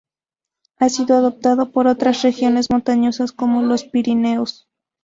Ha sido adoptado por otras regiones montañosas como los Pirineos.